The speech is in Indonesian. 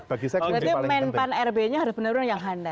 berarti men pan rb nya harus benar benar yang handal